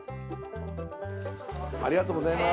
ありがとうございます